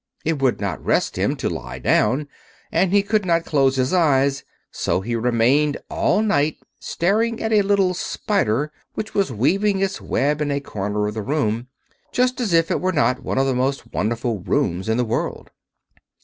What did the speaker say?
It would not rest him to lie down, and he could not close his eyes; so he remained all night staring at a little spider which was weaving its web in a corner of the room, just as if it were not one of the most wonderful rooms in the world.